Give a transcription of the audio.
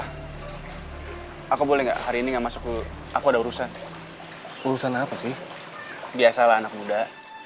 hai aku boleh enggak hari ini enggak masuk dulu aku ada urusan urusan apa sih biasalah anak muda